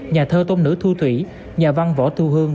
nhà thơ tôn nữ thu thủy nhà văn võ thu hương